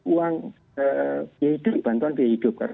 uang biaya hidup bantuan biaya hidup